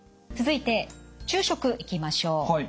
続いて昼食いきましょう。